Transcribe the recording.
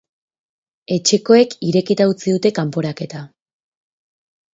Etxekoek irekita utzi dute kanporaketa.